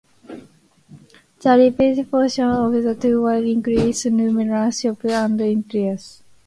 The retail portion of the tower includes numerous shops and eateries.